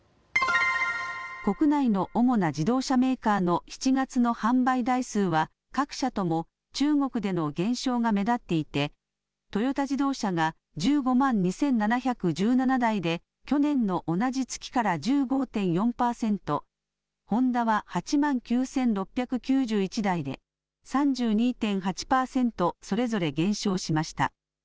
国内の主な自動車メーカーの７月の販売台数は各社とも中国での減少が目立っていてトヨタ自動車が１５万２７１７台で去年の同じ月から１５．４％、ホンダは８万９６９１台で３２．８％それぞれ減少しました。